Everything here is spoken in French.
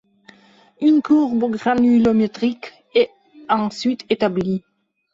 Une courbe granulométrique est ensuite établie.